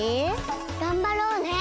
がんばろうね。